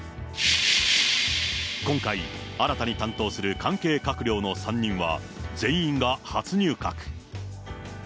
今回、新たに担当する関係閣僚の３人は、全員が初入閣。